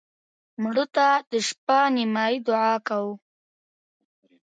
مړه ته د شپه نیمایي دعا کوو